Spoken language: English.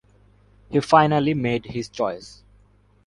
He finally made his choice.